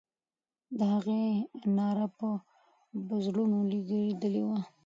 د هغې ناره به پر زړونو لګېدلې وه.